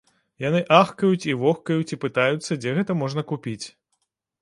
Яны ахкаюць і вохкаюць і пытаюцца, дзе гэта можна купіць.